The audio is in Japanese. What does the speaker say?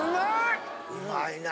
うまい！